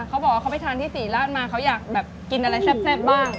เขาบอกว่าเขาไปทานที่ศรีราชมาเขาอยากแบบกินอะไรแซ่บบ้าง